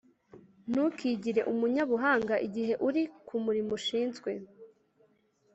Ntukigire umunyabuhanga igihe uri ku murimo ushinzwe,